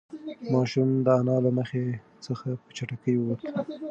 ماشوم د انا له مخې څخه په چټکۍ ووت.